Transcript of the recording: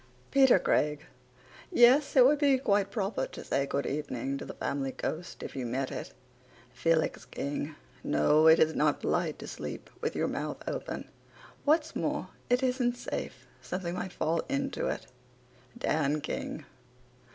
P r C g: Yes, it would be quite proper to say good evening to the family ghost if you met it. F x K g: No, it is not polite to sleep with your mouth open. What's more, it isn't safe. Something might fall into it. DAN KING.